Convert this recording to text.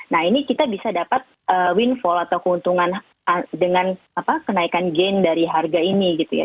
nah ini kita bisa dapat windfall atau keuntungan dengan kenaikan gain dari harga ini gitu ya